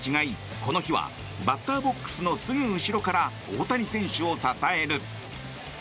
この日はバッターボックスのすぐ後ろから大谷選手を支える。